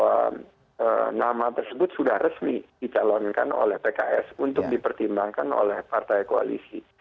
bahwa nama tersebut sudah resmi dicalonkan oleh pks untuk dipertimbangkan oleh partai koalisi